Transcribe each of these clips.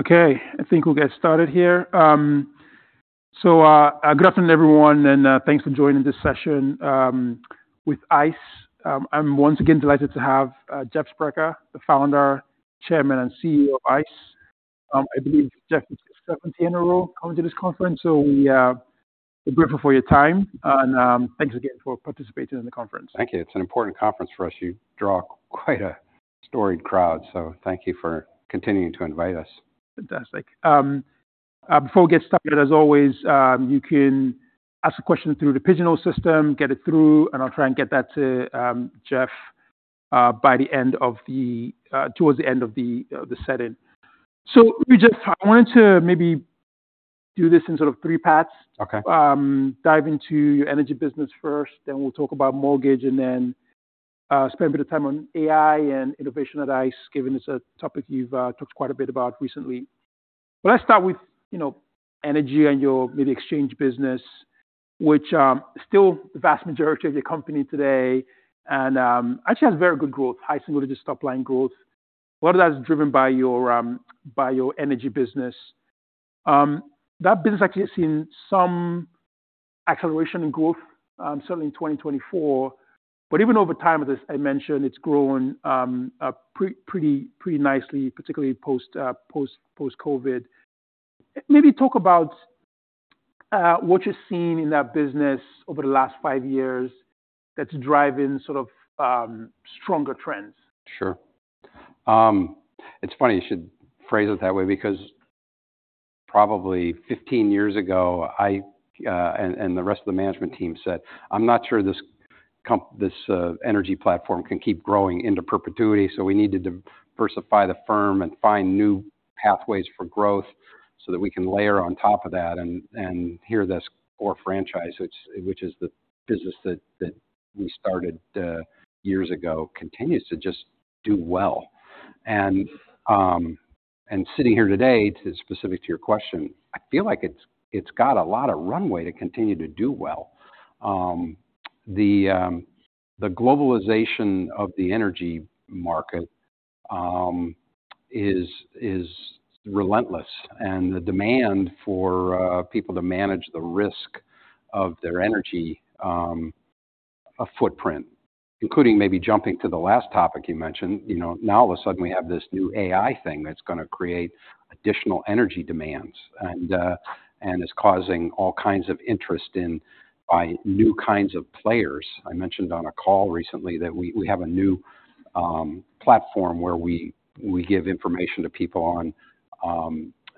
Okay, I think we'll get started here. Good afternoon, everyone, and thanks for joining this session with ICE. I'm once again delighted to have Jeff Sprecher, the founder, chairman, and CEO of ICE. I believe, Jeff, it's the seventh year in a row coming to this conference, so we're grateful for your time, and thanks again for participating in the conference. Thank you. It's an important conference for us. You draw quite a storied crowd, so thank you for continuing to invite us. Fantastic. Before we get started, as always, you can ask a question through the Pigeonhole system, get it through, and I'll try and get that to Jeff towards the end of the session. So let me just. I wanted to maybe do this in sort of three parts. Okay. Dive into your energy business first, then we'll talk about mortgage, and then, spend a bit of time on AI and innovation at ICE, given it's a topic you've, talked quite a bit about recently. But let's start with, you know, energy and your maybe exchange business, which, still the vast majority of the company today, and, actually has very good growth, high single-digit top line growth. A lot of that is driven by your, by your energy business. That business actually has seen some acceleration in growth, certainly in 2024. But even over time, as I mentioned, it's grown, pretty nicely, particularly post, post-COVID. Maybe talk about, what you've seen in that business over the last five years that's driving sort of, stronger trends. Sure. It's funny you should phrase it that way, because probably 15 years ago, I and the rest of the management team said, "I'm not sure this energy platform can keep growing into perpetuity, so we need to diversify the firm and find new pathways for growth so that we can layer on top of that." Here, this core franchise, which is the business that we started years ago, continues to just do well. Sitting here today, to specific to your question, I feel like it's got a lot of runway to continue to do well. The globalization of the energy market is relentless, and the demand for people to manage the risk of their energy a footprint, including maybe jumping to the last topic you mentioned. You know, now, all of a sudden, we have this new AI thing that's gonna create additional energy demands, and it's causing all kinds of interest in by new kinds of players. I mentioned on a call recently that we have a new platform where we give information to people on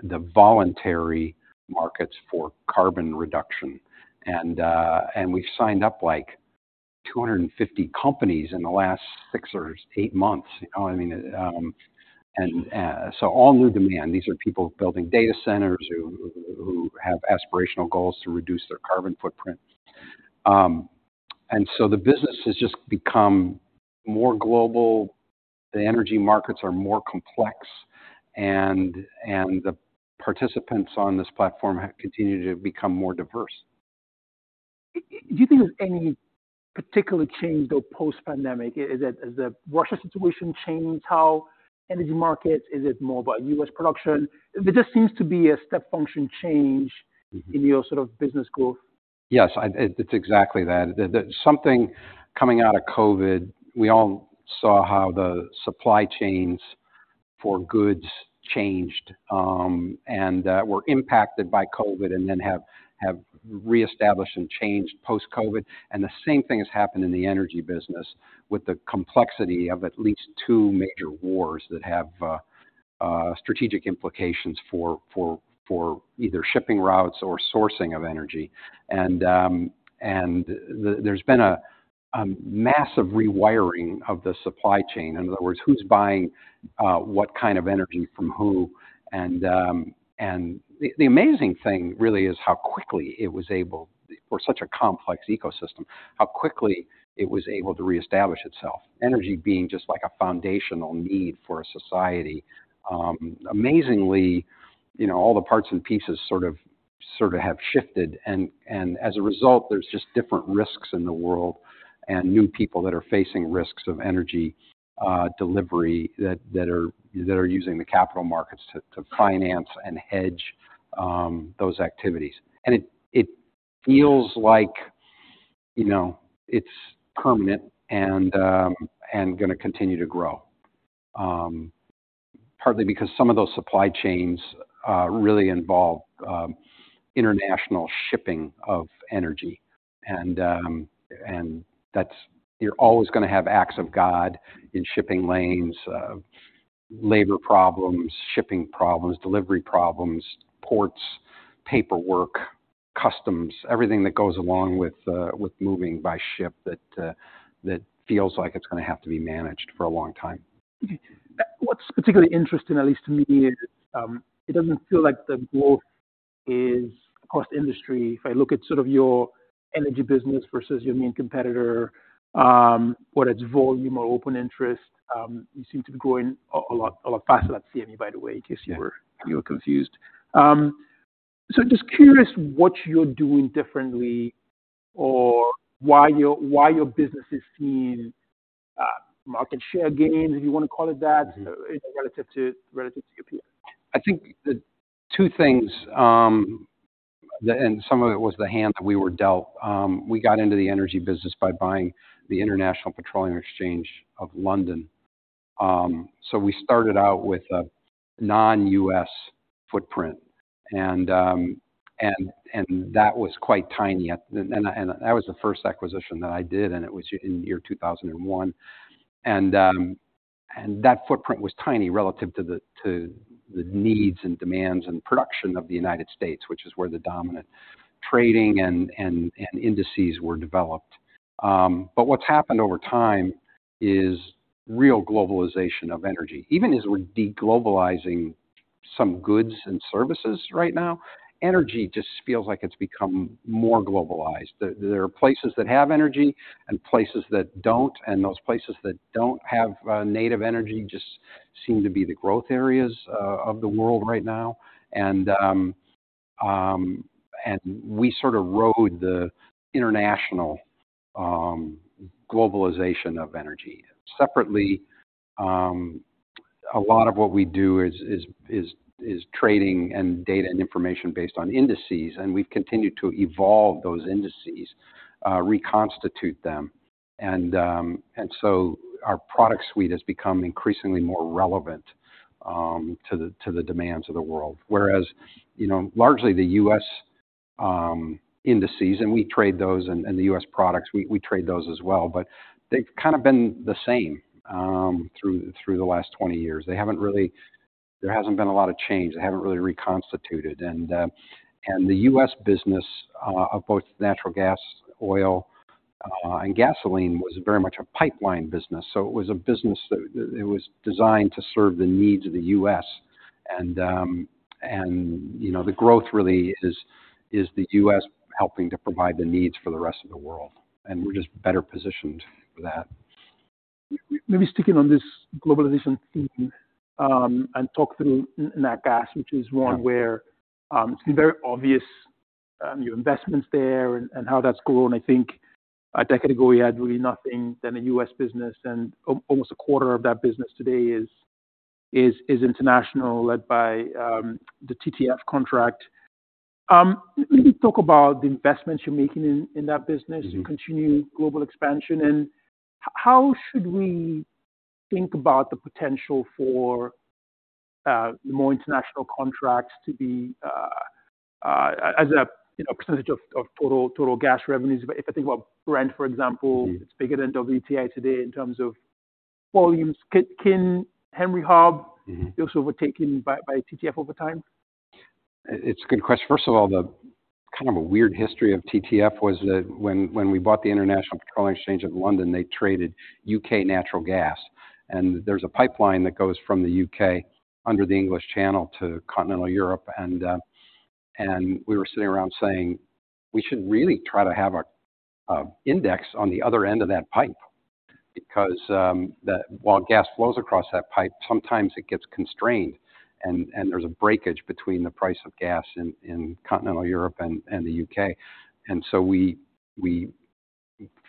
the voluntary markets for carbon reduction. And we've signed up, like, 250 companies in the last six or eight months. You know, I mean... And so all new demand. These are people building data centers who have aspirational goals to reduce their carbon footprint. And so the business has just become more global. The energy markets are more complex, and the participants on this platform have continued to become more diverse. Do you think there's any particular change, though, post-pandemic? Is it, has the Russia situation changed how energy markets, is it more about U.S. production? There just seems to be a step function change in your sort of business growth. Yes, it's exactly that. The something coming out of COVID, we all saw how the supply chains for goods changed, and were impacted by COVID, and then have reestablished and changed post-COVID. And the same thing has happened in the energy business, with the complexity of at least two major wars that have strategic implications for either shipping routes or sourcing of energy. And there's been a massive rewiring of the supply chain. In other words, who's buying what kind of energy from who? And the amazing thing really is how quickly it was able, for such a complex ecosystem, how quickly it was able to reestablish itself, energy being just like a foundational need for a society. Amazingly, you know, all the parts and pieces sort of, sort of have shifted, and, and as a result, there's just different risks in the world and new people that are facing risks of energy delivery, that, that are, that are using the capital markets to, to finance and hedge those activities. And it, it feels like, you know, it's permanent and, and gonna continue to grow. Partly because some of those supply chains really involve international shipping of energy, and, and that's—you're always gonna have acts of God in shipping lanes, labor problems, shipping problems, delivery problems, ports, paperwork, customs, everything that goes along with with moving by ship that, that feels like it's gonna have to be managed for a long time. What's particularly interesting, at least to me, is, it doesn't feel like the growth is across the industry. If I look at sort of your energy business versus your main competitor, whether it's volume or open interest, you seem to be growing a lot, a lot faster than CME, by the way, in case you were- Yeah. You were confused. So just curious what you're doing differently or why your, why your business is seeing market share gains, if you want to call it that, relative to, relative to your peers? I think the two things, and some of it was the hand that we were dealt. We got into the energy business by buying the International Petroleum Exchange of London. So we started out with a non-US footprint, and that was quite tiny, and that was the first acquisition that I did, and it was in year 2001. And that footprint was tiny relative to the needs and demands and production of the United States, which is where the dominant trading and indices were developed. But what's happened over time is real globalization of energy. Even as we're de-globalizing some goods and services right now, energy just feels like it's become more globalized. There are places that have energy and places that don't, and those places that don't have native energy just seem to be the growth areas of the world right now. And we sort of rode the international globalization of energy. Separately, a lot of what we do is trading and data and information based on indices, and we've continued to evolve those indices, reconstitute them. And so our product suite has become increasingly more relevant to the demands of the world. Whereas, you know, largely the U.S. indices, and we trade those, and the U.S. products, we trade those as well, but they've kind of been the same through the last 20 years. They haven't really. There hasn't been a lot of change. They haven't really reconstituted. And the U.S. business of both natural gas, oil, and gasoline was very much a pipeline business. So it was a business that it was designed to serve the needs of the U.S. And, you know, the growth really is the U.S. helping to provide the needs for the rest of the world, and we're just better positioned for that. Let me stick in on this globalization theme, and talk through nat gas, which is one- Yeah... where it's been very obvious your investments there and how that's grown. I think a decade ago, you had really nothing than a US business, and almost a quarter of that business today is international, led by the TTF contract. Maybe talk about the investments you're making in that business- Mm-hmm... your continued global expansion, and how should we think about the potential for more international contracts to be, as a, you know, percentage of total gas revenues? But if I think about Brent, for example- Mm-hmm... it's bigger than WTI today in terms of volumes. Can Henry Hub- Mm-hmm... also overtaken by, by TTF over time? It's a good question. First of all, the kind of a weird history of TTF was that when we bought the International Petroleum Exchange of London, they traded UK natural gas. There's a pipeline that goes from the UK under the English Channel to Continental Europe, and we were sitting around saying, "We should really try to have an index on the other end of that pipe," because while gas flows across that pipe, sometimes it gets constrained, and there's a breakage between the price of gas in Continental Europe and the UK. So we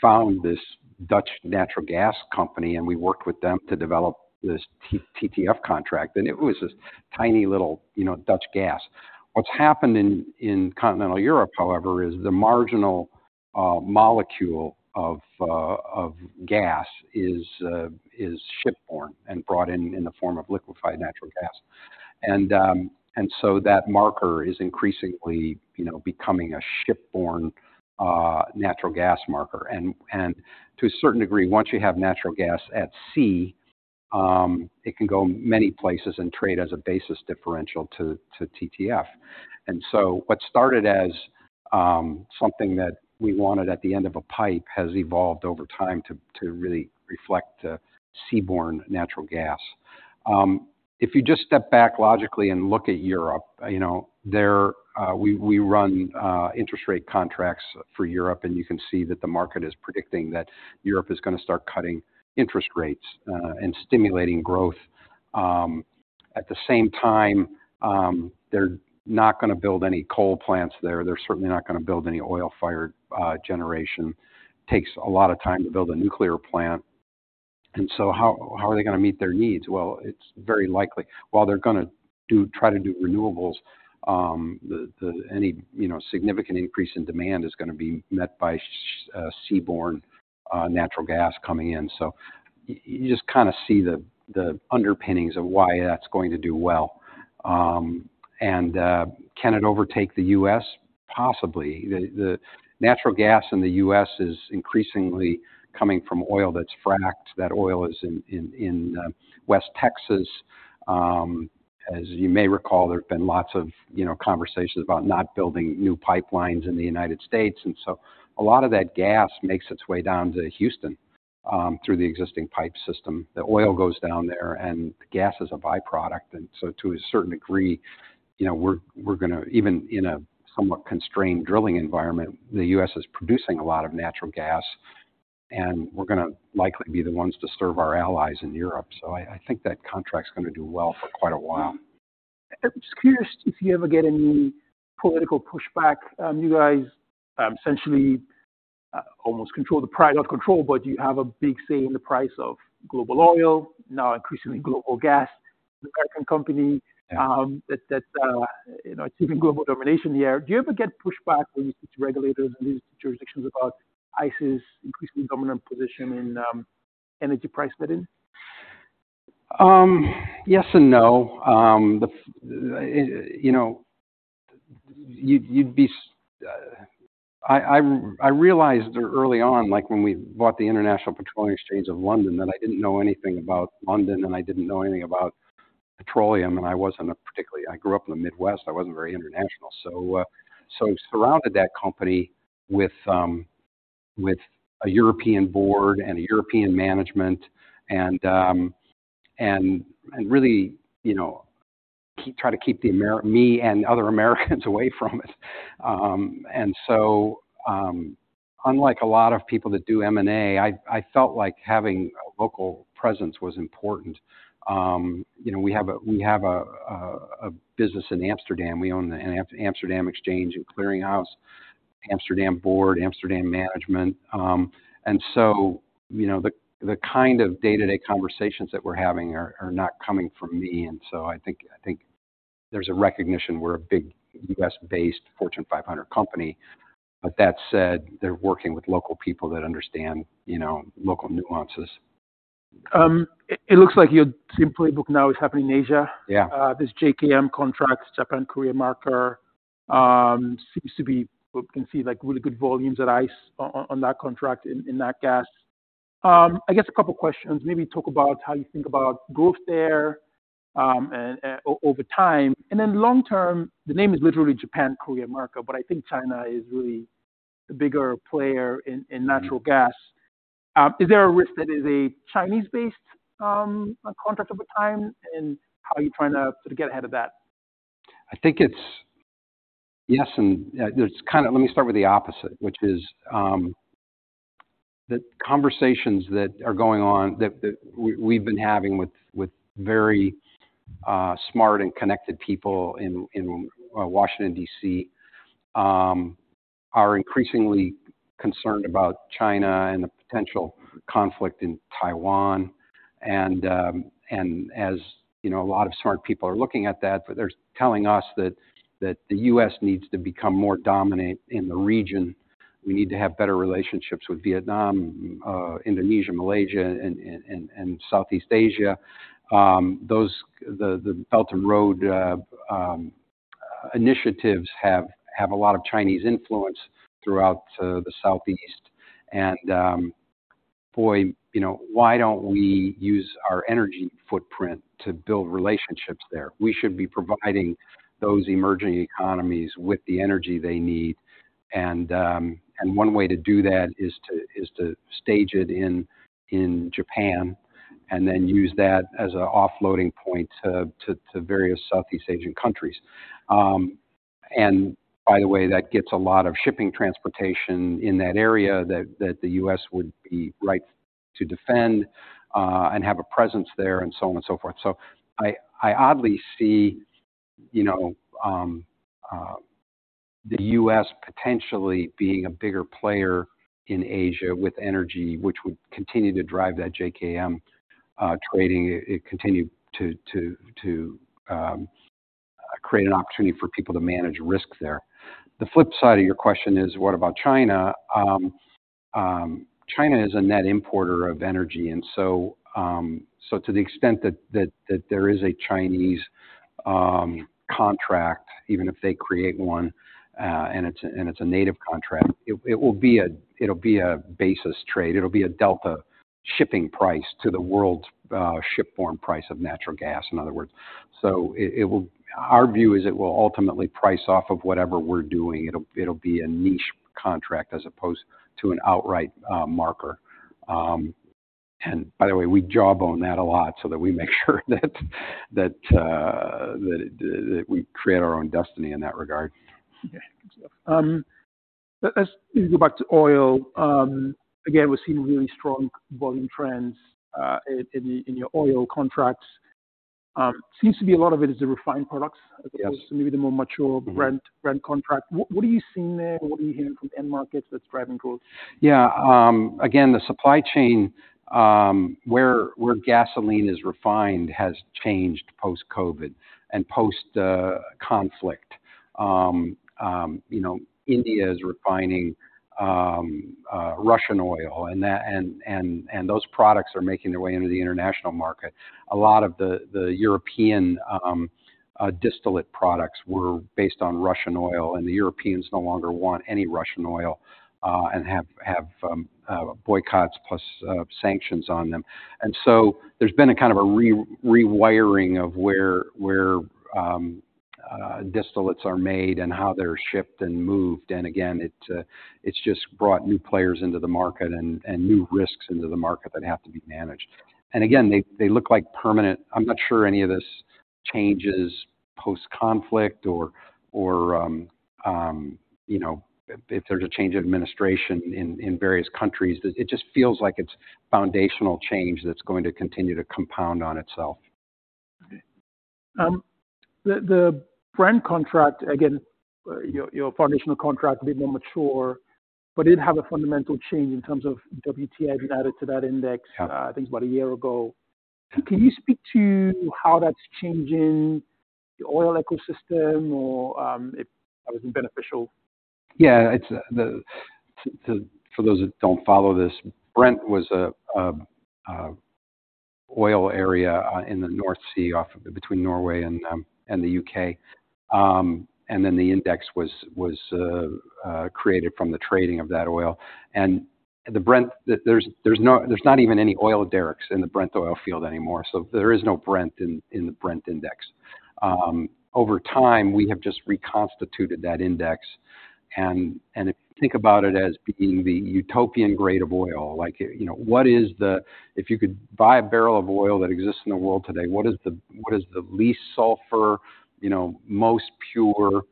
found this Dutch natural gas company, and we worked with them to develop this TTF contract, and it was this tiny little, you know, Dutch gas. What's happened in continental Europe, however, is the marginal molecule of gas is ship-borne and brought in in the form of liquefied natural gas. And so that marker is increasingly, you know, becoming a ship-borne natural gas marker. And to a certain degree, once you have natural gas at sea, it can go many places and trade as a basis differential to TTF. And so what started as something that we wanted at the end of a pipe, has evolved over time to really reflect seaborne natural gas. If you just step back logically and look at Europe, you know, there we run interest rate contracts for Europe, and you can see that the market is predicting that Europe is gonna start cutting interest rates and stimulating growth. At the same time, they're not gonna build any coal plants there. They're certainly not gonna build any oil-fired generation. Takes a lot of time to build a nuclear plant. And so how are they gonna meet their needs? Well, it's very likely, while they're gonna try to do renewables, any, you know, significant increase in demand is gonna be met by seaborne natural gas coming in. So you just kind of see the underpinnings of why that's going to do well. And can it overtake the US? Possibly. The natural gas in the US is increasingly coming from oil that's fracked. That oil is in West Texas. As you may recall, there have been lots of, you know, conversations about not building new pipelines in the United States, and so a lot of that gas makes its way down to Houston, through the existing pipe system. The oil goes down there, and the gas is a byproduct. And so to a certain degree, you know, we're gonna, even in a somewhat constrained drilling environment, the U.S. is producing a lot of natural gas, and we're gonna likely be the ones to serve our allies in Europe. So I think that contract's gonna do well for quite a while.... I'm just curious if you ever get any political pushback. You guys, essentially, almost control the price, not control, but you have a big say in the price of global oil, now increasingly global gas. An American company, that you know, it's even global domination here. Do you ever get pushback when you speak to regulators in these jurisdictions about ICE's increasingly dominant position in, energy price setting? Yes and no. You know, I realized early on, like when we bought the International Petroleum Exchange of London, that I didn't know anything about London, and I didn't know anything about petroleum, and I wasn't a particularly. I grew up in the Midwest, I wasn't very international. So, surrounded that company with a European board and a European management and really, you know, try to keep me and other Americans away from it. And so, unlike a lot of people that do M&A, I felt like having a local presence was important. You know, we have a business in Amsterdam. We own the Amsterdam Exchange and Clearing House, Amsterdam board, Amsterdam management. And so, you know, the kind of day-to-day conversations that we're having are not coming from me, and so I think there's a recognition we're a big U.S.-based Fortune 500 company. But that said, they're working with local people that understand, you know, local nuances. It looks like your same playbook now is happening in Asia. Yeah. This JKM contract, Japan Korea Marker, seems to be... We can see, like, really good volumes at ICE on that contract in that gas. I guess a couple questions. Maybe talk about how you think about growth there, and over time. And then long term, the name is literally Japan, Korea, marker, but I think China is really the bigger player in natural gas. Mm-hmm. Is there a risk that is a Chinese-based contract over time, and how are you trying to sort of get ahead of that? I think it's yes, and there's kind of— Let me start with the opposite, which is the conversations that are going on that we’ve been having with very smart and connected people in Washington, D.C., are increasingly concerned about China and the potential conflict in Taiwan. And as you know, a lot of smart people are looking at that, but they're telling us that the U.S. needs to become more dominant in the region. We need to have better relationships with Vietnam, Indonesia, Malaysia, and Southeast Asia. The Belt and Road initiatives have a lot of Chinese influence throughout the Southeast. And boy, you know, why don't we use our energy footprint to build relationships there? We should be providing those emerging economies with the energy they need, and one way to do that is to stage it in Japan and then use that as an offloading point to various Southeast Asian countries. And by the way, that gets a lot of shipping transportation in that area that the US would be right to defend, and have a presence there, and so on and so forth. So I oddly see, you know, the US potentially being a bigger player in Asia with energy, which would continue to drive that JKM trading. It continue to create an opportunity for people to manage risk there. The flip side of your question is: What about China? China is a net importer of energy, and so to the extent that there is a Chinese contract, even if they create one, and it's a native contract, it will be a basis trade. It'll be a delta shipping price to the world's shipborne price of natural gas, in other words. So it will... Our view is it will ultimately price off of whatever we're doing. It'll be a niche contract as opposed to an outright marker. And by the way, we jawbone that a lot so that we make sure that we create our own destiny in that regard. Yeah. Good stuff. Let's go back to oil. Again, we're seeing really strong volume trends in your oil contracts. Seems to be a lot of it is the refined products. Yes... as opposed to maybe the more mature- Mm-hmm... Brent, Brent contract. What, what are you seeing there? What are you hearing from end markets that's driving growth? Yeah. Again, the supply chain, where gasoline is refined has changed post-COVID and post conflict. You know, India is refining Russian oil, and those products are making their way into the international market. A lot of the European distillate products were based on Russian oil, and the Europeans no longer want any Russian oil, and have boycotts plus sanctions on them. And so there's been a kind of a rewiring of where distillates are made and how they're shipped and moved. And again, it's just brought new players into the market and new risks into the market that have to be managed. And again, they look like permanent. I'm not sure any of this changes post-conflict or, you know, if there's a change of administration in various countries. It just feels like it's foundational change that's going to continue to compound on itself.... the Brent contract, again, your foundational contract a bit more mature, but did have a fundamental change in terms of WTI added to that index- Yeah. I think about a year ago. Can you speak to how that's changing the oil ecosystem or, if that was beneficial? Yeah, it's for those that don't follow this, Brent was a oil area in the North Sea, off between Norway and the UK. And then the index was created from the trading of that oil. And the Brent, there's not even any oil derricks in the Brent oil field anymore, so there is no Brent in the Brent Index. Over time, we have just reconstituted that index. And if you think about it as being the utopian grade of oil, like, you know, what is the... If you could buy a barrel of oil that exists in the world today, what is the least sulfur, you know, most pure,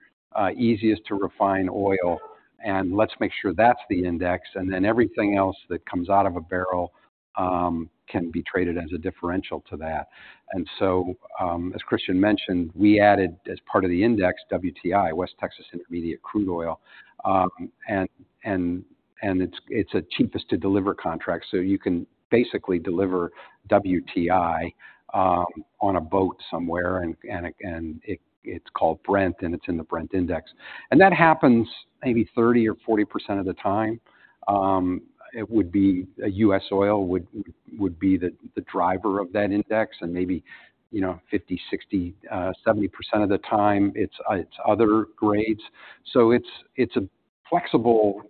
easiest to refine oil? And let's make sure that's the index, and then everything else that comes out of a barrel, can be traded as a differential to that. And so, as Christian mentioned, we added, as part of the index, WTI, West Texas Intermediate crude oil. And it's a cheapest to deliver contract, so you can basically deliver WTI, on a boat somewhere, and it, it's called Brent, and it's in the Brent Index. And that happens maybe 30%-40% of the time. It would be a U.S. oil, would be the driver of that index, and maybe, you know, 50, 60, 70% of the time, it's other grades. So it's a flexible,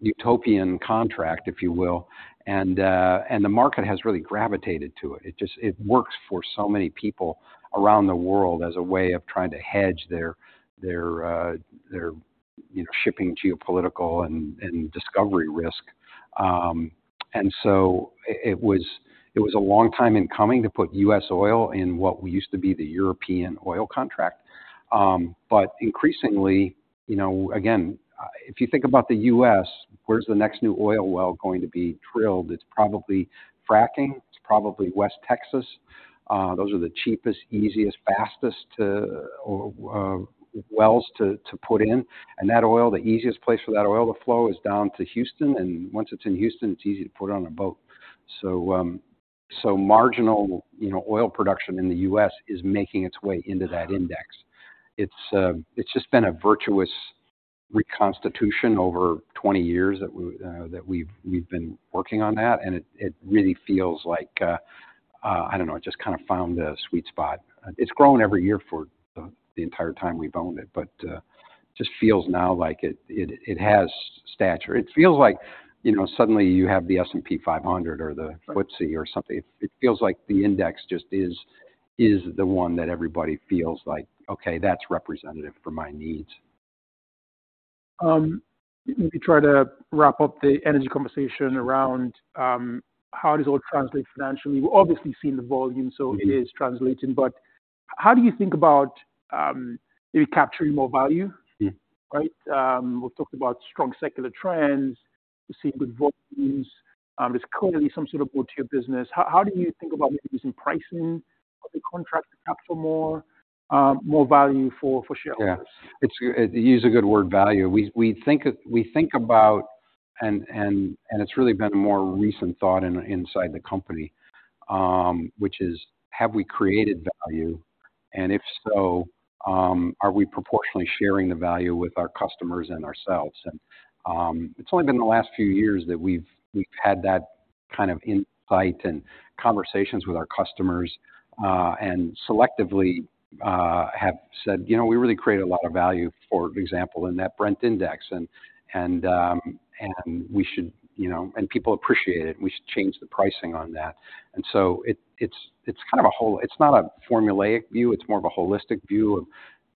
utopian contract, if you will, and the market has really gravitated to it. It just works for so many people around the world as a way of trying to hedge their you know, shipping geopolitical and discovery risk. And so it was a long time in coming to put US oil in what used to be the European oil contract. But increasingly, you know, again, if you think about the US, where's the next new oil well going to be drilled? It's probably fracking. It's probably West Texas. Those are the cheapest, easiest, fastest wells to put in. And that oil, the easiest place for that oil to flow is down to Houston, and once it's in Houston, it's easy to put on a boat. So marginal, you know, oil production in the US is making its way into that index. It's just been a virtuous reconstitution over 20 years that we, that we've, we've been working on that, and it really feels like, I don't know, it just kind of found a sweet spot. It's grown every year for the entire time we've owned it, but just feels now like it has stature. It feels like, you know, suddenly you have the S&P 500 or the FTSE or something. It feels like the index just is the one that everybody feels like, "Okay, that's representative for my needs. Let me try to wrap up the energy conversation around how does all translate financially? We've obviously seen the volume- Mm-hmm. So it is translating, but how do you think about, maybe capturing more value? Mm. Right? We've talked about strong secular trends. We see good volumes. There's clearly some sort of go-to business. How, how do you think about maybe using pricing of the contract to capture more, more value for, for shareholders? Yeah. It's a—you use a good word, value. We think about, and it's really been a more recent thought inside the company, which is, have we created value? And if so, are we proportionally sharing the value with our customers and ourselves? And, it's only been the last few years that we've had that kind of insight and conversations with our customers, and selectively have said, "You know, we really create a lot of value, for example, in that Brent Index, and we should, you know, and people appreciate it. We should change the pricing on that." And so it's not a formulaic view, it's more of a holistic view of,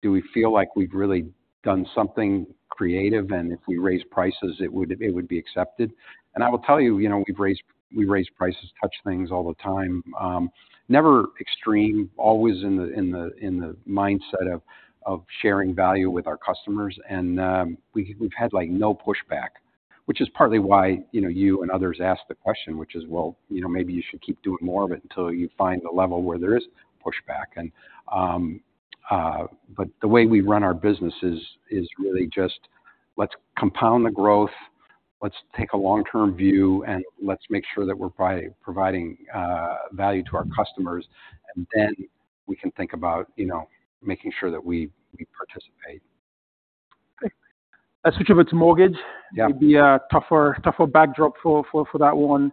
do we feel like we've really done something creative, and if we raise prices, it would be accepted? And I will tell you, you know, we've raised, we raise prices, touch things all the time. Never extreme, always in the mindset of sharing value with our customers. And we've had, like, no pushback, which is partly why, you know, you and others ask the question, which is, well, you know, maybe you should keep doing more of it until you find the level where there is pushback. But the way we run our business is really just, let's compound the growth, let's take a long-term view, and let's make sure that we're providing value to our customers, and then we can think about, you know, making sure that we participate. Okay. Let's switch over to mortgage. Yeah. Maybe a tougher, tougher backdrop for that one.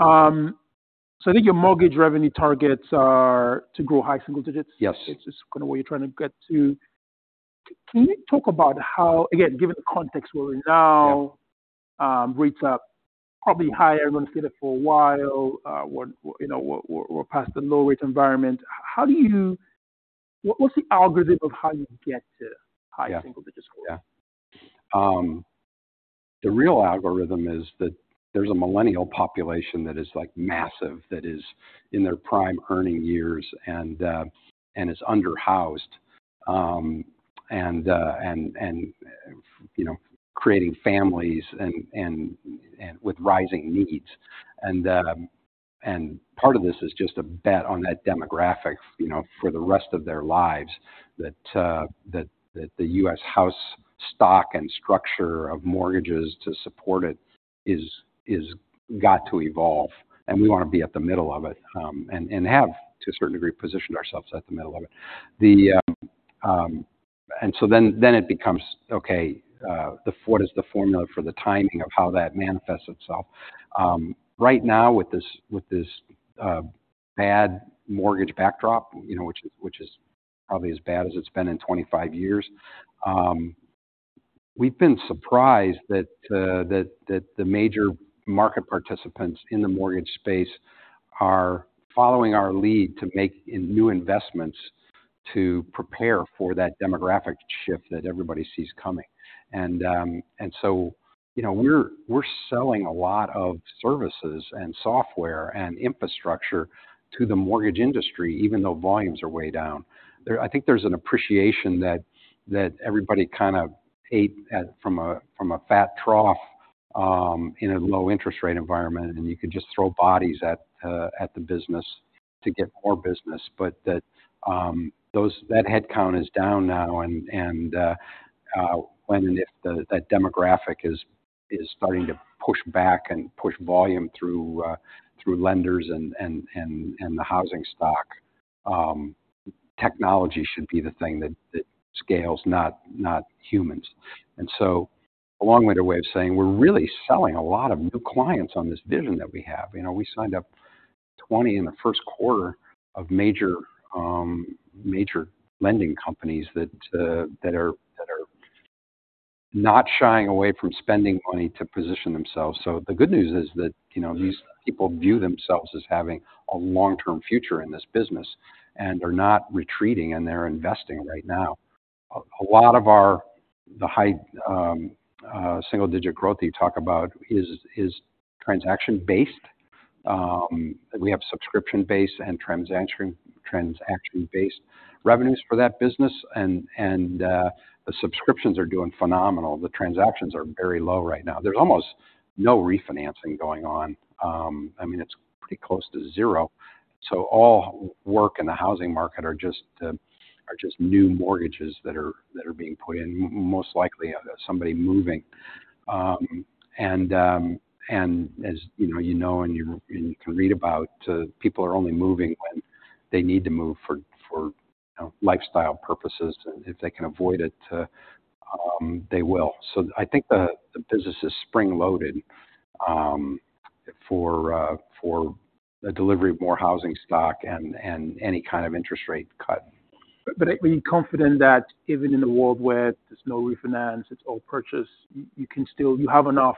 So I think your mortgage revenue targets are to grow high single digits? Yes. It's just kind of where you're trying to get to. Can you talk about how, again, given the context where we are now- Yeah... rates are probably higher than we've seen it for a while, you know, we're past the low rate environment. How do you—what, what's the algorithm of how you get to high single digits? Yeah. Yeah. The real algorithm is that there's a millennial population that is, like, massive, that is in their prime earning years and is under-housed, you know, creating families and with rising needs. And part of this is just a bet on that demographic, you know, for the rest of their lives, that the U.S. housing stock and structure of mortgages to support it is got to evolve, and we want to be at the middle of it, and have, to a certain degree, positioned ourselves at the middle of it. So then it becomes, okay, what is the formula for the timing of how that manifests itself? Right now, with this bad mortgage backdrop, you know, which is probably as bad as it's been in 25 years, we've been surprised that the major market participants in the mortgage space are following our lead to make new investments to prepare for that demographic shift that everybody sees coming. And so, you know, we're selling a lot of services and software and infrastructure to the mortgage industry, even though volumes are way down. I think there's an appreciation that everybody kind of ate at from a fat trough in a low interest rate environment, and you could just throw bodies at the business to get more business. But that headcount is down now, and when and if that demographic is starting to push back and push volume through lenders and the housing stock, technology should be the thing that scales, not humans. And so a long-winded way of saying we're really selling a lot of new clients on this vision that we have. You know, we signed up 20 in the first quarter of major lending companies that are not shying away from spending money to position themselves. So the good news is that, you know, these people view themselves as having a long-term future in this business, and they're not retreating, and they're investing right now. A lot of our high single-digit growth that you talk about is transaction-based. We have subscription-based and transaction-based revenues for that business, and the subscriptions are doing phenomenal. The transactions are very low right now. There's almost no refinancing going on. I mean, it's pretty close to zero. So all work in the housing market are just new mortgages that are being put in, most likely somebody moving. And as you know, you know, and you can read about, people are only moving when they need to move for, you know, lifestyle purposes. If they can avoid it, they will. So I think the business is spring-loaded for a delivery of more housing stock and any kind of interest rate cut. But are you confident that even in a world where there's no refinance, it's all purchase, you can still... you have enough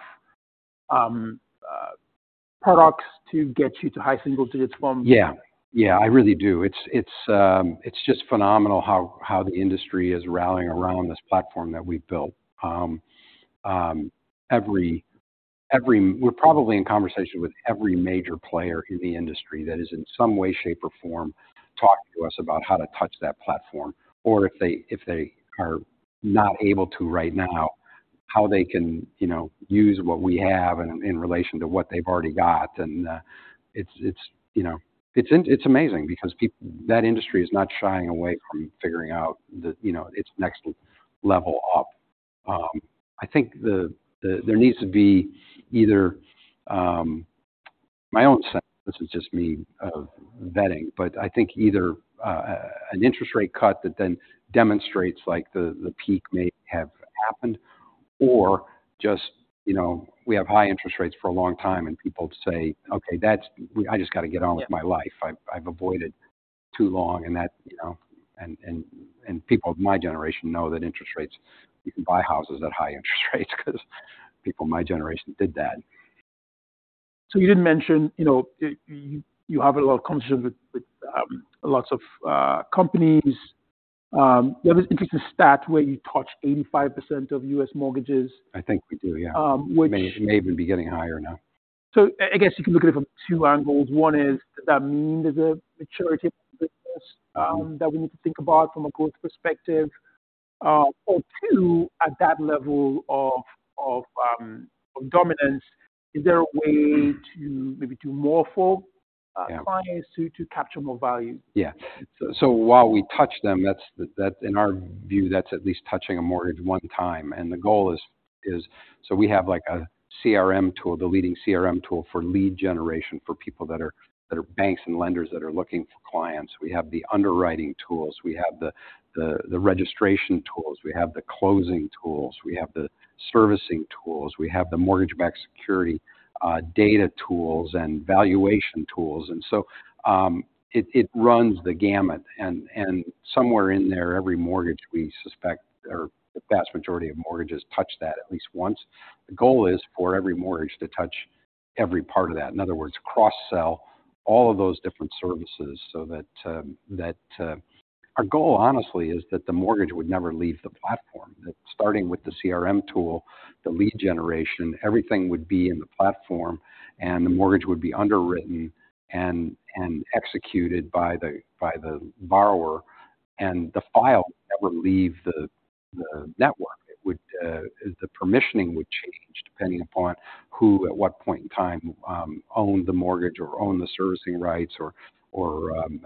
products to get you to high single digits from? Yeah. Yeah, I really do. It's just phenomenal how the industry is rallying around this platform that we've built. We're probably in conversation with every major player in the industry that is in some way, shape, or form, talking to us about how to touch that platform. Or if they are not able to right now, how they can, you know, use what we have in relation to what they've already got. And it's, you know, it's amazing because that industry is not shying away from figuring out the, you know, its next level up. I think there needs to be either... My own sense, this is just me, vetting, but I think either an interest rate cut that then demonstrates, like, the peak may have happened, or just, you know, we have high interest rates for a long time and people say: "Okay, that's- I just got to get on with my life. I've avoided too long," and that, you know, and, and, and people of my generation know that interest rates, you can buy houses at high interest rates because people in my generation did that. So you did mention, you know, you have a lot of conversations with lots of companies. There was an interesting stat where you touched 85% of U.S. mortgages. I think we do, yeah. Um, which- May even be getting higher now. So I guess you can look at it from two angles. One is, does that mean there's a maturity business that we need to think about from a growth perspective? Or two, at that level of dominance, is there a way to maybe do more for- Yeah... clients to, to capture more value? Yeah. So while we touch them, that's, in our view, that's at least touching a mortgage one time. And the goal is so we have, like, a CRM tool, the leading CRM tool for lead generation, for people that are banks and lenders that are looking for clients. We have the underwriting tools. We have the registration tools. We have the closing tools. We have the servicing tools. We have the mortgage-backed security data tools and valuation tools, and so it runs the gamut. And somewhere in there, every mortgage we suspect, or the vast majority of mortgages, touch that at least once. The goal is for every mortgage to touch every part of that. In other words, cross-sell all of those different services so that... Our goal, honestly, is that the mortgage would never leave the platform. That starting with the CRM tool, the lead generation, everything would be in the platform, and the mortgage would be underwritten and executed by the borrower, and the file never leave the network. It would, the permissioning would change.... depending upon who, at what point in time, owned the mortgage or owned the servicing rights or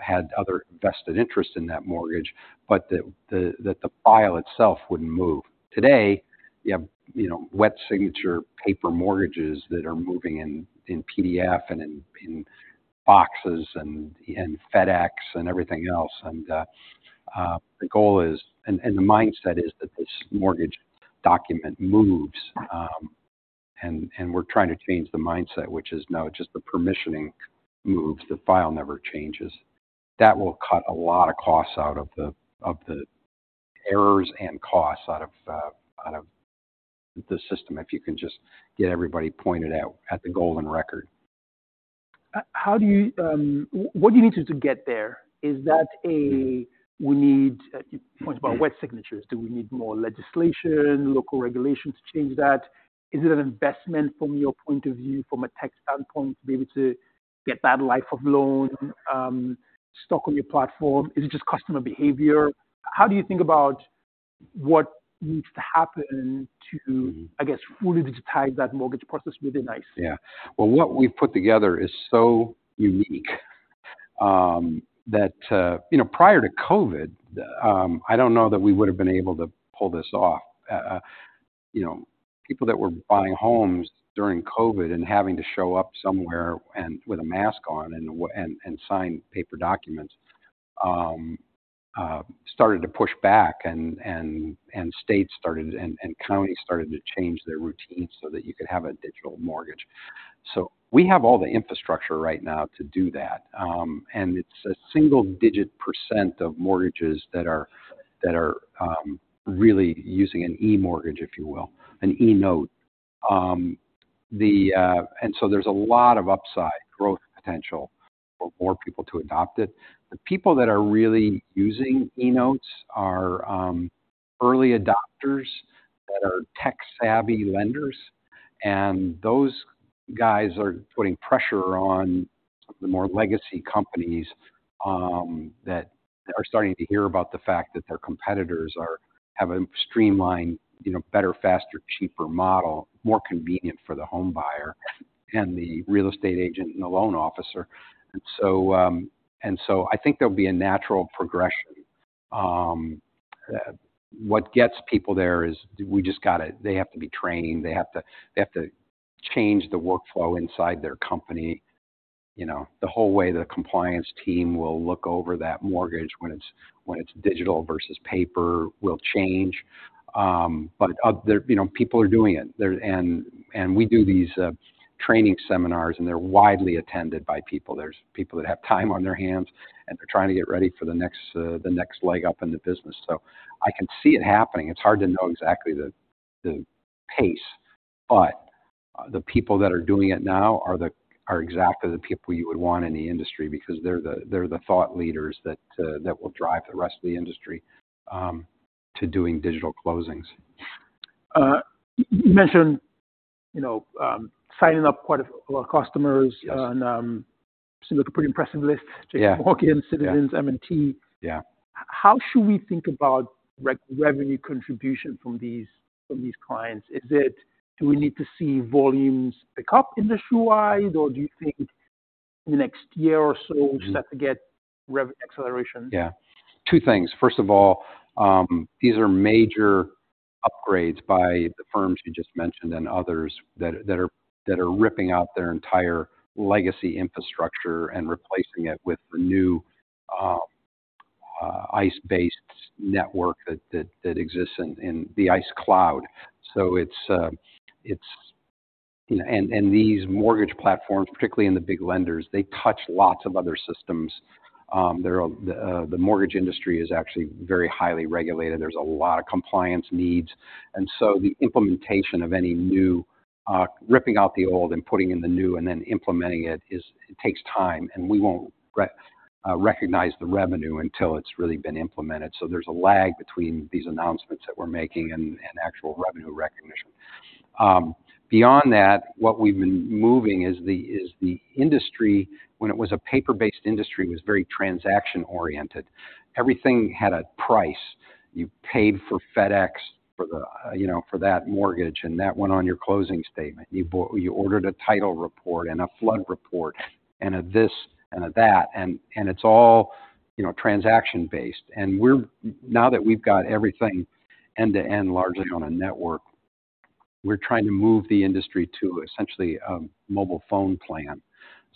had other vested interest in that mortgage, but that the file itself wouldn't move. Today, you know, wet signature paper mortgages that are moving in PDF and in boxes and FedEx and everything else. The goal is, and the mindset is that this mortgage document moves, and we're trying to change the mindset, which is now just the permissioning moves, the file never changes. That will cut a lot of costs out of the errors and costs out of the system, if you can just get everybody pointed out at the golden record. How do you what do you need to get there? Is that a we need- Yeah. You talked about wet signatures. Do we need more legislation, local regulation to change that? Is it an investment from your point of view, from a tax standpoint, to be able to get that life of loan, stock on your platform? Is it just customer behavior? How do you think about what needs to happen to- Mm-hmm... I guess, fully digitize that mortgage process within ICE? Yeah. Well, what we've put together is so unique, that, you know, prior to COVID, I don't know that we would have been able to pull this off. You know, people that were buying homes during COVID and having to show up somewhere and with a mask on and sign paper documents, started to push back and states and counties started to change their routines so that you could have a digital mortgage. So we have all the infrastructure right now to do that, and it's a single-digit % of mortgages that are really using an eMortgage, if you will, an eNote. And so there's a lot of upside growth potential for more people to adopt it. The people that are really using eNotes are early adopters that are tech-savvy lenders, and those guys are putting pressure on the more legacy companies that are starting to hear about the fact that their competitors are, have a streamlined, you know, better, faster, cheaper model, more convenient for the home buyer and the real estate agent and the loan officer. And so, and so I think there'll be a natural progression. What gets people there is they have to be trained, they have to, they have to change the workflow inside their company, you know. The whole way the compliance team will look over that mortgage when it's, when it's digital versus paper will change. But there, you know, people are doing it. And we do these training seminars, and they're widely attended by people. There's people that have time on their hands, and they're trying to get ready for the next, the next leg up in the business. So I can see it happening. It's hard to know exactly the, the pace, but the people that are doing it now are the, are exactly the people you would want in the industry because they're the, they're the thought leaders that, that will drive the rest of the industry, to doing digital closings. you mentioned, you know, signing up quite a lot of customers- Yes... and seems like a pretty impressive list. Yeah... Citizens, M&T. Yeah. How should we think about revenue contribution from these clients? Do we need to see volumes pick up in the refi, or do you think in the next year or so? Mm-hmm... we'll start to get rev acceleration? Yeah. Two things. First of all, these are major upgrades by the firms you just mentioned and others that are ripping out their entire legacy infrastructure and replacing it with the new ICE-based network that exists in the ICE Cloud. So it's. And these mortgage platforms, particularly in the big lenders, they touch lots of other systems. They're the mortgage industry is actually very highly regulated. There's a lot of compliance needs. And so the implementation of any new ripping out the old and putting in the new and then implementing it is. It takes time, and we won't recognize the revenue until it's really been implemented. So there's a lag between these announcements that we're making and actual revenue recognition. Beyond that, what we've been moving is the industry, when it was a paper-based industry, was very transaction-oriented. Everything had a price. You paid for FedEx, for the, you know, for that mortgage, and that went on your closing statement. You ordered a title report and a flood report and a this and a that, and it's all, you know, transaction based. Now that we've got everything end-to-end, largely on a network, we're trying to move the industry to essentially a mobile phone plan.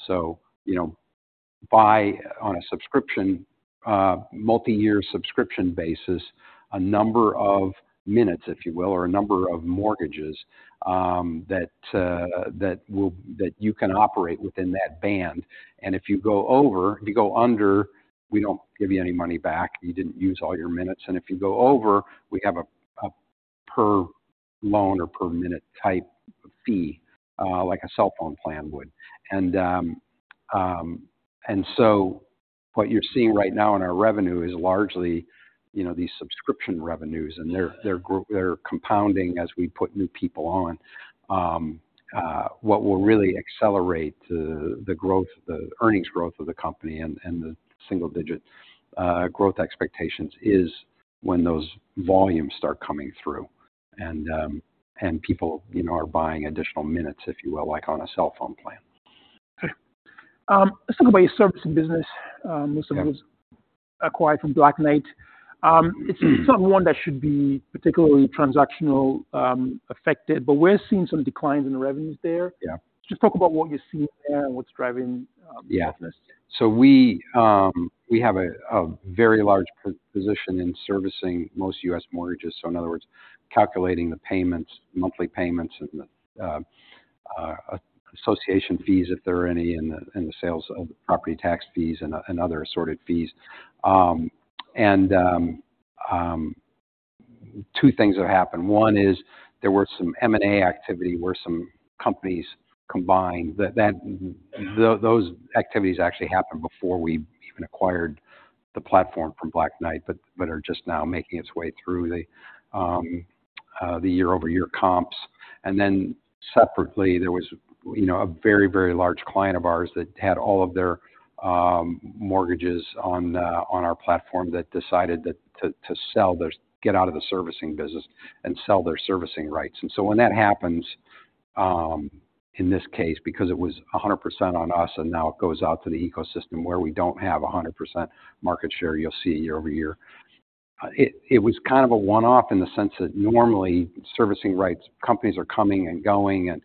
So, you know, buy on a subscription, multi-year subscription basis, a number of minutes, if you will, or a number of mortgages, that you can operate within that band. And if you go over, if you go under, we don't give you any money back. You didn't use all your minutes. And if you go over, we have a per loan or per minute type fee, like a cell phone plan would. And so what you're seeing right now in our revenue is largely, you know, these subscription revenues, and they're compounding as we put new people on. What will really accelerate the growth, the earnings growth of the company and the single-digit growth expectations, is when those volumes start coming through, and people, you know, are buying additional minutes, if you will, like on a cell phone plan. Okay. Let's talk about your servicing business. Yeah... which was acquired from Black Knight. It's not one that should be particularly transactional, affected, but we're seeing some declines in the revenues there. Yeah. Just talk about what you see there and what's driving the business. Yeah. So we have a very large position in servicing most U.S. mortgages. So in other words, calculating the payments, monthly payments, and the association fees, if there are any, and the sales property tax fees and other assorted fees. Two things have happened. One is there were some M&A activity where some companies combined. Those activities actually happened before we even acquired the platform from Black Knight, but are just now making its way through the year-over-year comps. And then separately, there was, you know, a very, very large client of ours that had all of their mortgages on our platform that decided to get out of the servicing business and sell their servicing rights. And so when that happens, in this case, because it was 100% on us, and now it goes out to the ecosystem where we don't have 100% market share, you'll see year-over-year. It was kind of a one-off in the sense that normally servicing rights companies are coming and going and,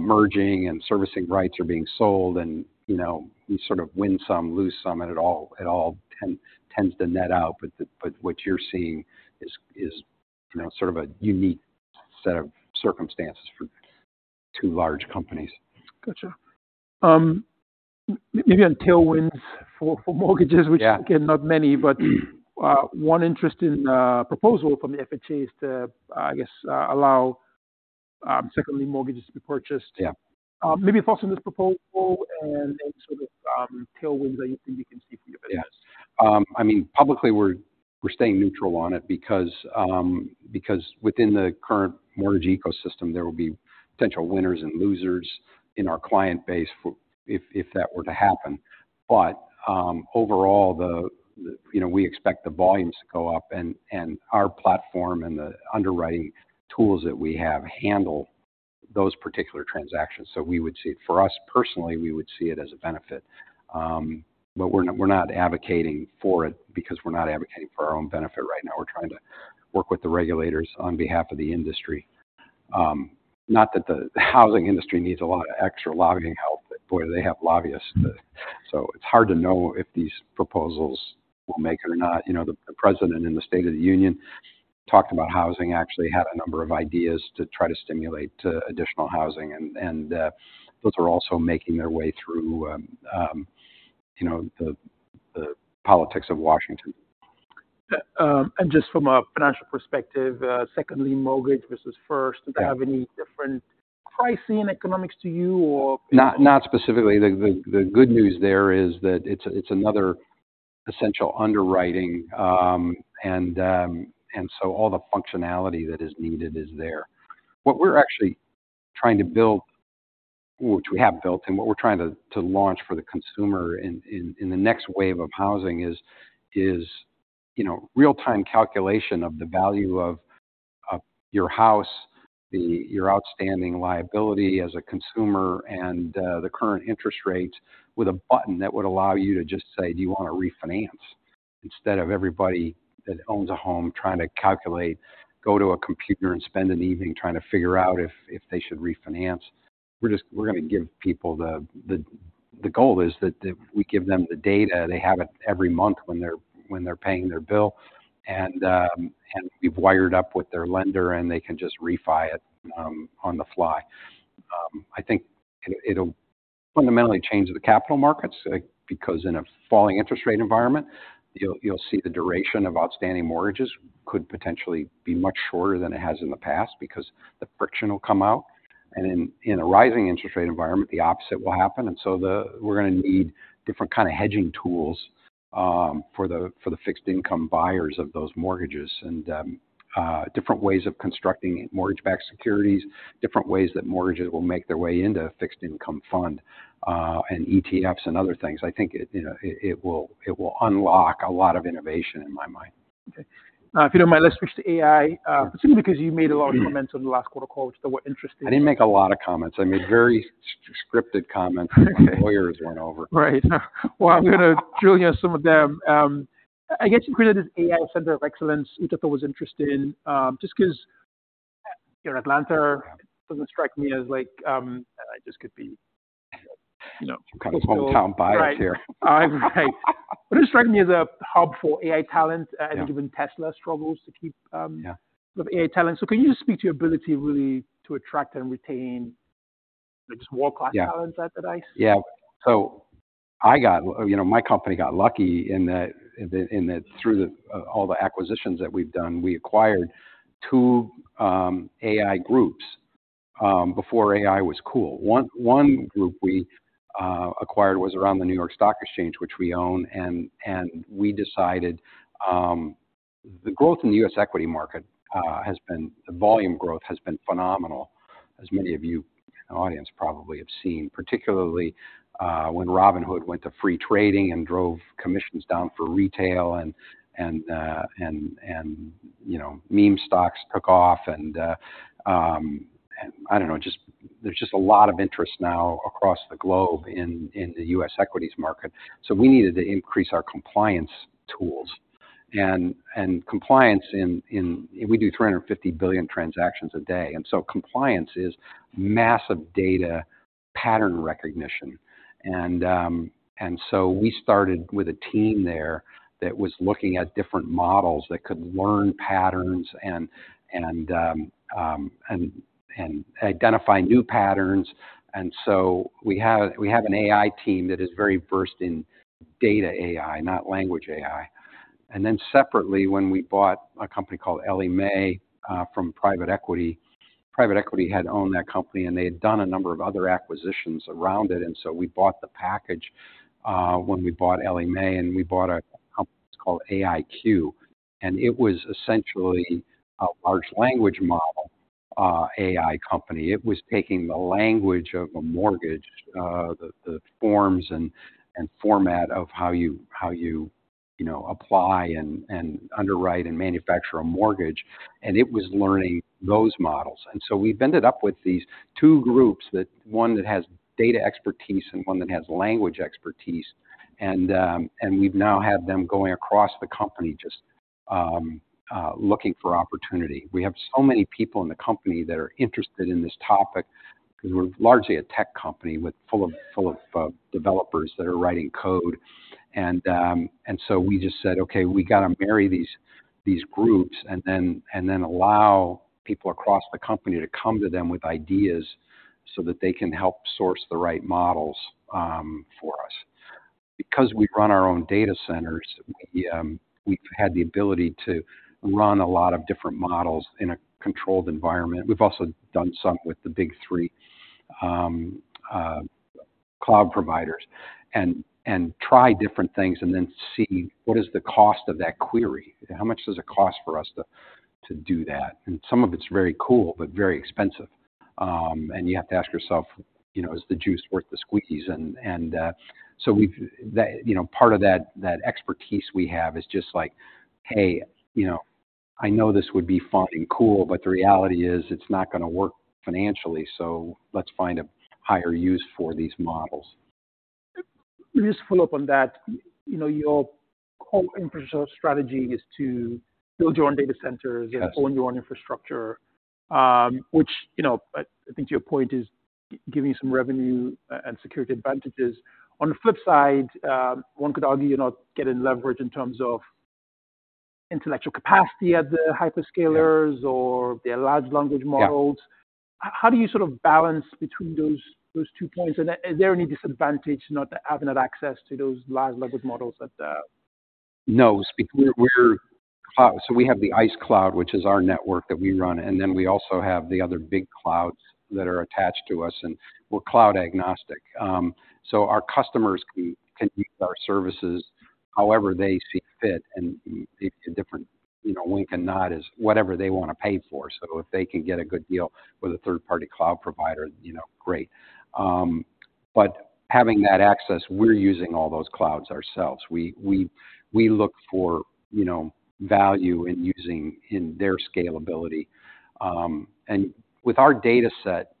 merging and servicing rights are being sold and, you know, you sort of win some, lose some, and it all tends to net out. But what you're seeing is, you know, sort of a unique set of circumstances for two large companies. Gotcha. Maybe on tailwinds for mortgages, Yeah Which again, not many, but one interesting proposal from the FHA is to, I guess, allow second mortgages to be purchased. Yeah. Maybe thoughts on this proposal and any sort of tailwinds that you think you can see for your business? Yeah. I mean, publicly, we're staying neutral on it because, because within the current mortgage ecosystem, there will be potential winners and losers in our client base for... if that were to happen. But overall, you know, we expect the volumes to go up, and our platform and the underwriting tools that we have handle those particular transactions. So we would see- for us personally, we would see it as a benefit. But we're not advocating for it because we're not advocating for our own benefit right now. We're trying to work with the regulators on behalf of the industry. Not that the housing industry needs a lot of extra lobbying help, but, boy, do they have lobbyists. So it's hard to know if these proposals will make it or not. You know, the president in the State of the Union talked about housing, actually had a number of ideas to try to stimulate additional housing, and those are also making their way through, you know, the politics of Washington. Just from a financial perspective, secondly, mortgage versus first- Yeah Do they have any different pricing economics to you, or? Not specifically. The good news there is that it's another essential underwriting. And so all the functionality that is needed is there. What we're actually trying to build, which we have built, and what we're trying to launch for the consumer in the next wave of housing is, you know, real-time calculation of the value of your house, your outstanding liability as a consumer, and the current interest rate, with a button that would allow you to just say, do you wanna refinance? Instead of everybody that owns a home trying to calculate, go to a computer and spend an evening trying to figure out if they should refinance. We're gonna give people the data. The goal is that we give them the data. They have it every month when they're paying their bill. And we've wired up with their lender, and they can just refi it on the fly. I think it'll fundamentally change the capital markets because in a falling interest rate environment, you'll see the duration of outstanding mortgages could potentially be much shorter than it has in the past because the friction will come out. And in a rising interest rate environment, the opposite will happen. And so we're gonna need different kind of hedging tools for the fixed income buyers of those mortgages, and different ways of constructing mortgage-backed securities, different ways that mortgages will make their way into a fixed income fund, and ETFs and other things. I think it, you know, it will unlock a lot of innovation in my mind. Okay. If you don't mind, let's switch to AI, simply because you made a lot of comments on the last quarter call, which they were interesting. I didn't make a lot of comments. I made very scripted comments, my lawyers went over. Right. Well, I'm gonna drill down some of them. I guess you created an AI Center of Excellence, which I thought was interesting, just 'cause you're in Atlanta, doesn't strike me as like, and I just could be, you know- Kind of hometown bias here. Right. Right. It doesn't strike me as a hub for AI talent- Yeah... and even Tesla struggles to keep, Yeah the AI talent. So can you just speak to your ability really to attract and retain just world-class Yeah -talents at the ICE? Yeah. So I got... You know, my company got lucky in that through all the acquisitions that we've done, we acquired two AI groups before AI was cool. One group we acquired was around the New York Stock Exchange, which we own, and we decided. The growth in the U.S. equity market has been, the volume growth has been phenomenal, as many of you in the audience probably have seen. Particularly when Robinhood went to free trading and drove commissions down for retail, and you know, meme stocks took off and I don't know, just there's just a lot of interest now across the globe in the U.S. equities market. So we needed to increase our compliance tools. Compliance in—we do 350 billion transactions a day, and so compliance is massive data pattern recognition. And so we started with a team there that was looking at different models that could learn patterns and identify new patterns. And so we have an AI team that is very versed in data AI, not language AI. And then separately, when we bought a company called Ellie Mae from private equity, private equity had owned that company, and they had done a number of other acquisitions around it. And so we bought the package when we bought Ellie Mae, and we bought a company called AIQ, and it was essentially a large language model AI company. It was taking the language of a mortgage, the forms and format of how you, you know, apply and underwrite and manufacture a mortgage, and it was learning those models. So we've ended up with these two groups, that one that has data expertise and one that has language expertise. We've now had them going across the company just looking for opportunity. We have so many people in the company that are interested in this topic because we're largely a tech company full of developers that are writing code. And so we just said, "Okay, we got to marry these groups, and then allow people across the company to come to them with ideas so that they can help source the right models for us." Because we run our own data centers, we've had the ability to run a lot of different models in a controlled environment. We've also done some with the Big Three cloud providers, and try different things and then see what is the cost of that query? How much does it cost for us to do that? And some of it's very cool, but very expensive. You have to ask yourself, you know, "Is the juice worth the squeeze?" So, you know, part of that expertise we have is just like, hey, you know, I know this would be fun and cool, but the reality is, it's not gonna work financially, so let's find a higher use for these models. Just to follow up on that, you know, your whole infrastructure strategy is to build your own data centers- Yes. Own your own infrastructure, which, you know, I, I think to your point, is giving you some revenue and security advantages. On the flip side, one could argue you're not getting leverage in terms of intellectual capacity as the hyperscalers- Yeah or their large language models. Yeah. How do you sort of balance between those, those two points? And is there any disadvantage to not having that access to those large language models that, No, because we're... So we have the ICE Cloud, which is our network that we run, and then we also have the other big clouds that are attached to us, and we're cloud agnostic. So our customers can use our services however they see fit, and it's a different, you know, wink and nod is whatever they wanna pay for. So if they can get a good deal with a third-party cloud provider, you know, great. But having that access, we're using all those clouds ourselves. We look for, you know, value in using their scalability. And with our data set,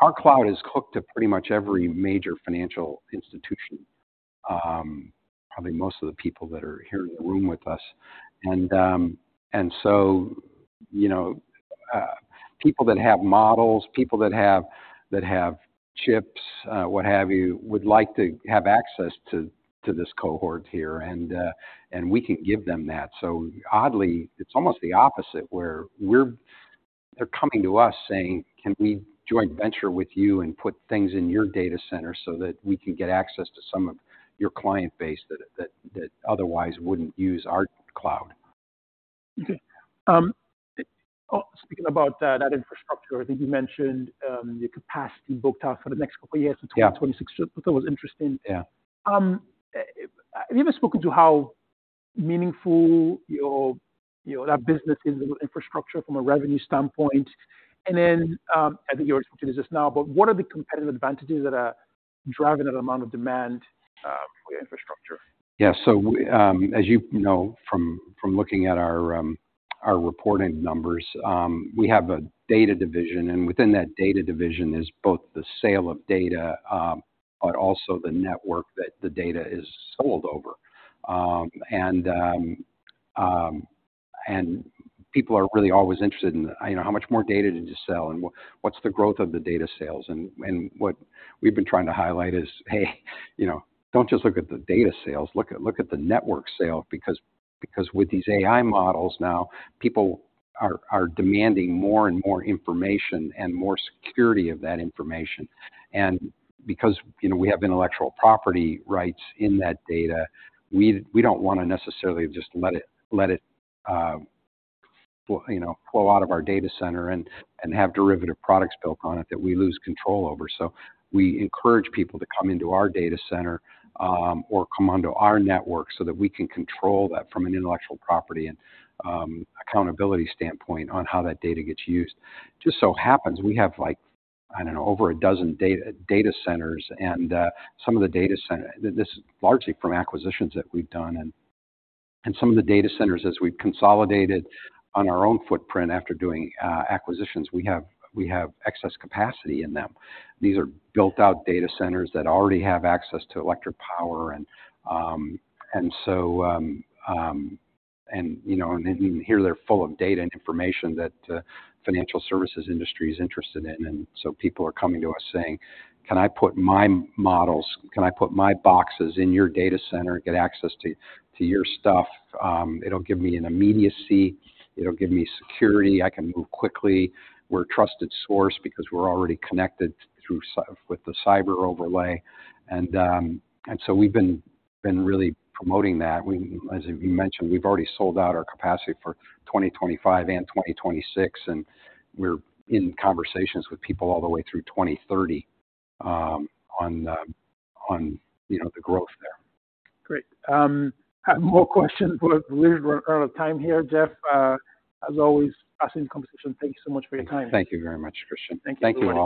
our cloud is hooked to pretty much every major financial institution, probably most of the people that are here in the room with us. And, and so, you know, people that have models, people that have, that have chips, what have you, would like to have access to this cohort here, and, and we can give them that. So oddly, it's almost the opposite, where we're- they're coming to us saying: Can we joint venture with you and put things in your data center so that we can get access to some of your client base that, that, that otherwise wouldn't use our cloud? Okay. Speaking about that infrastructure, I think you mentioned your capacity booked out for the next couple of years- Yeah... to 2026. I thought was interesting. Yeah. Have you ever spoken to how meaningful your, you know, that business is, infrastructure from a revenue standpoint? And then, I think you were speaking to this just now, but what are the competitive advantages that are driving that amount of demand, for your infrastructure? Yeah. So, as you know, from, from looking at our, our reporting numbers, we have a data division, and within that data division is both the sale of data, but also the network that the data is sold over. And, and people are really always interested in, you know, how much more data did you sell? And what's the growth of the data sales? And, and what we've been trying to highlight is, hey, you know, don't just look at the data sales, look at, look at the network sale, because, because with these AI models now, people are, are demanding more and more information and more security of that information. And because, you know, we have intellectual property rights in that data, we, we don't wanna necessarily just let it, let it, flow, you know, flow out of our data center and, and have derivative products built on it that we lose control over. So we encourage people to come into our data center, or come onto our network so that we can control that from an intellectual property and, accountability standpoint on how that data gets used. Just so happens, we have, like, I don't know, over a dozen data, data centers and, some of the data center. This is largely from acquisitions that we've done and, and some of the data centers, as we've consolidated on our own footprint after doing, acquisitions, we have, we have excess capacity in them. These are built-out data centers that already have access to electric power and... And so, and, you know, and here they're full of data and information that, financial services industry is interested in. And so people are coming to us saying: Can I put my models, can I put my boxes in your data center, get access to, to your stuff? It'll give me an immediacy, it'll give me security. I can move quickly. We're a trusted source because we're already connected through cy- with the cyber overlay. And, and so we've been, been really promoting that. We, as you mentioned, we've already sold out our capacity for 2025 and 2026, and we're in conversations with people all the way through 2030, on, on, you know, the growth there. Great. I have more questions, but we're out of time here, Jeff. As always, fascinating conversation. Thank you so much for your time. Thank you very much, Christian. Thank you. Thank you all.